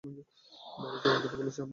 বাইরে যাওয়ার কথা বলছেন আপনি?